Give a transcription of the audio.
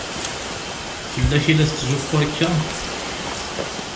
Fell-ak i la tetzuxxu akka?